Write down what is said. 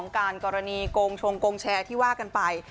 การกรณีโกงชงโกงแชร์ที่ว่ากันไป